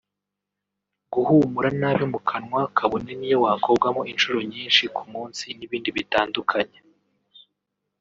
guhumura nabi mu kanwa kabone niyo wakogamo inshuro nyinshi ku munsi n’ibindi bitandukanye